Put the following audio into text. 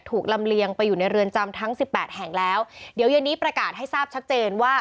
ลำเลียงไปอยู่ในเรือนจำทั้งสิบแปดแห่งแล้วเดี๋ยวเย็นนี้ประกาศให้ทราบชัดเจนว่า